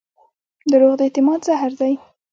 دروغ د اعتماد زهر دي.